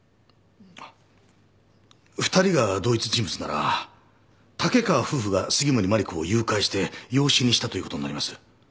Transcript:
２人が同一人物なら竹川夫婦が杉森真梨子を誘拐して養子にしたという事になります。